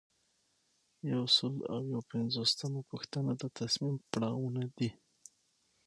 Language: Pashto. یو سل او یو پنځوسمه پوښتنه د تصمیم پړاوونه دي.